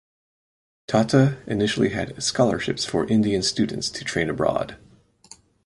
Tata initially had scholarships for Indian students to train abroad.